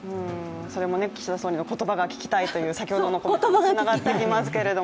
それも岸田総理の言葉が聞きたいという先ほどの言葉につながってきますけれども。